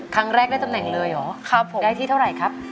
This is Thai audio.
ครั้งแรกได้ตำแหน่งเลยเหรอครับผมได้ที่เท่าไหร่ครับ